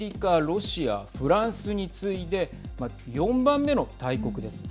ロシアフランスに次いで４番目の大国です。